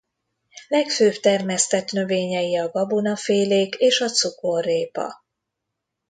Legfőbb termesztett növényei a gabonafélék és a cukorrépa.